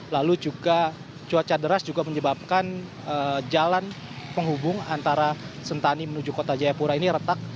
lalu juga cuaca deras juga menyebabkan jalan penghubung antara sentani menuju kota jayapura ini retak